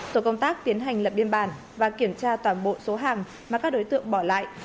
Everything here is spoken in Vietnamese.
tổ công tác tiến hành lập biên bản và kiểm tra toàn bộ số hàng mà các đối tượng bỏ lại